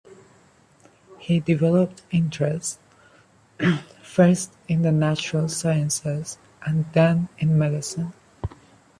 He developed interest, first, in the natural sciences, and then, in medicine.